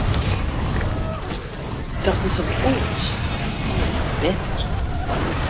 Dat is al oars, mar net better.